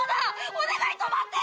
お願い止まって！